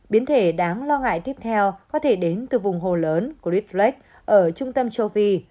biến thể đáng lo ngại tiếp theo có thể đến từ vùng hồ lớn của replak ở trung tâm châu phi